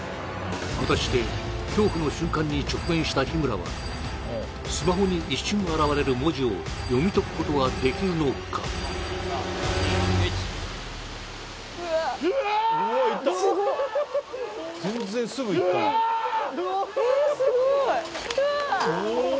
果たして恐怖の瞬間に直面した日村はスマホに一瞬現れる文字を読み解くことができるのかうわっうわっ